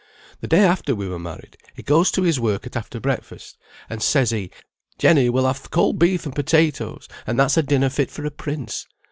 The day after we were married he goes to his work at after breakfast, and says he, 'Jenny, we'll ha' th' cold beef, and potatoes, and that's a dinner fit for a prince.'